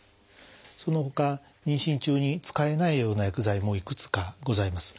そのほか妊娠中に使えないような薬剤もいくつかございます。